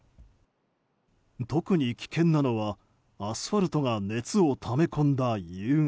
特に危険なのは、アスファルトが熱をため込んだ夕方。